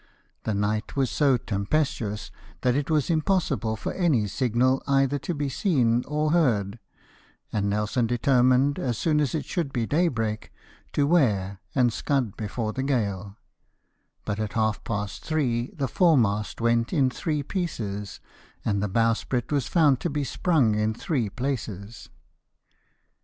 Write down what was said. The night was so tempestuous that it was impossible for any signal either to be seen or heard, and Nelson determined, as soon as it should be daybreak, to wear, and scud before the gale ; but at half past three the foremast went in three pieces, and the bowsprit was found to be sprung in three places.